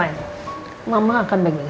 aku cuma gak mau mau keinget lagi soh roy